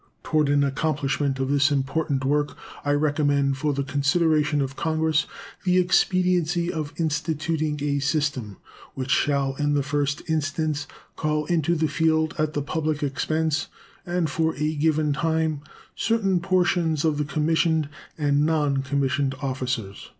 Toward an accomplishment of this important work I recommend for the consideration of Congress the expediency of instituting a system which shall in the first instance call into the field at the public expense and for a given time certain portions of the commissioned and non commissioned officers.